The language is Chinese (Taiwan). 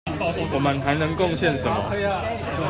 我們還能貢獻什麼？